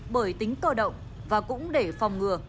bởi tính cơ động và cũng để phòng ngừa